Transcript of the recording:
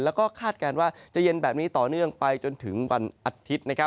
แล้วก็คาดการณ์ว่าจะเย็นแบบนี้ต่อเนื่องไปจนถึงวันอาทิตย์